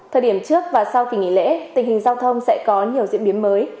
thời điểm trước và sau kỳ nghỉ lễ tình hình giao thông sẽ có nhiều diễn biến mới